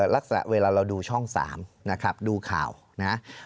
ลักษณะเวลาเราดูช่อง๓นะครับดูข่าวนะครับ